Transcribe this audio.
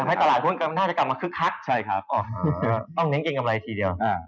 หลายคนก็น่าจะกลับมาคึกคักต้องเน้นเกียงกำไรทีเดียว